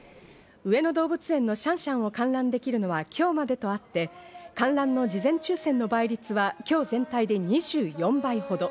上野動物園のシャンシャンを観覧できるのは今日までとあって、観覧の事前抽選の倍率は今日全体で２４倍ほど。